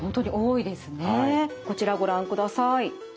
こちらご覧ください。